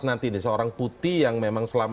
nanti nih seorang putih yang memang selama